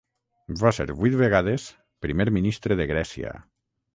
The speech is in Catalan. Va ser vuit vegades Primer ministre de Grècia.